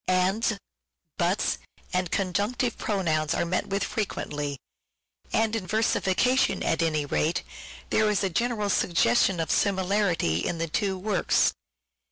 " Ands," " buts," and Conjunctive Pronouns are met with frequently ; and in versification, at any rate, there is a general suggestion of similarity in the two works.